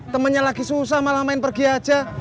temennya lagi susah malah main pergi aja